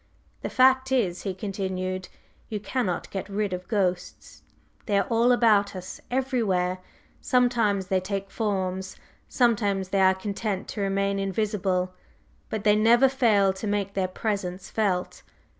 "The fact is," he continued, "you cannot get rid of ghosts! They are all about us everywhere! Sometimes they take forms, sometimes they are content to remain invisible. But they never fail to make their presence felt.